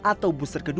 atau booster kedua